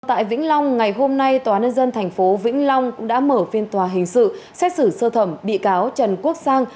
tại vĩnh long ngày hôm nay tòa nân dân thành phố vĩnh long cũng đã mở phiên tòa hình sự xét xử sơ thẩm bị cáo trần quốc sang